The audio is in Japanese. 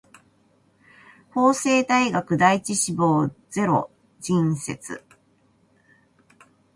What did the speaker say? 法政大学第一志望ゼロ人説